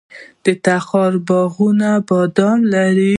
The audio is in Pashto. د تخار باغونه بادام لري.